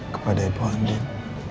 kepada ibu andin